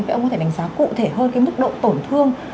vậy ông có thể đánh giá cụ thể hơn cái mức độ tổn thương